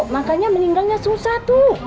makanya meninggalnya susah tuh